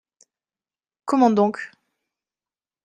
Comment donc ?